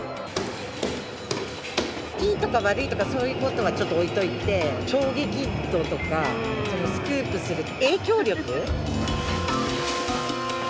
いいとか悪いとかそういうことはちょっと置いといて衝撃度とかスクープする影響力。